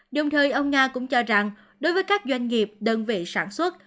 đồng thời ông nga cũng cho rằng đối với các doanh nghiệp đơn vị sản xuất